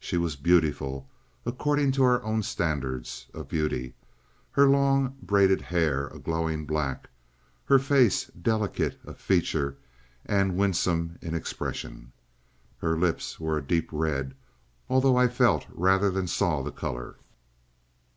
She was beautiful, according to our own standards of beauty; her long braided hair a glowing black, her face, delicate of feature and winsome in expression. Her lips were a deep red, although I felt rather than saw the colour.